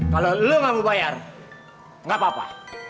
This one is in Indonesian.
kalau lo gak mau bayar gak apa apa